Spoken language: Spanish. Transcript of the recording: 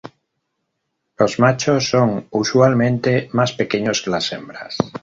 Los machos son usualmente más pequeños que las hembras.